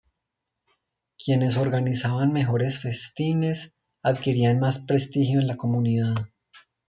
Quienes organizaban mejores festines, adquirían más prestigio en la comunidad.